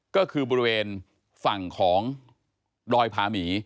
ก็คือบริเวณฝั่งของดอยผาหมี